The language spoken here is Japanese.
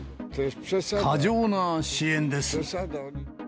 過剰な支援です。